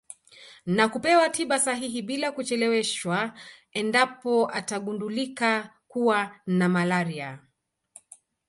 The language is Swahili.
Na kupewa tiba sahihi bila kucheleweshwa endapo atagundulika kuwa na malaria